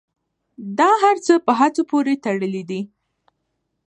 دا هر څه په هڅو پورې تړلي دي.